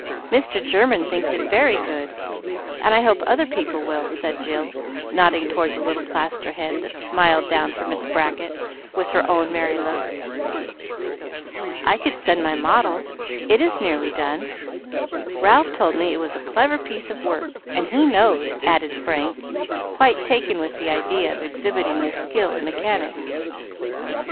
Mr. German thinks it very good, and I hope other people will," said Jill, nodding toward the little plaster head that smiled down from its bracket with her own merry look. "I could send my model; it is nearly done. Ralph told me it was a clever piece of work, and he knows," added Frank, quite taken with the idea of exhibiting his skill in mechanics.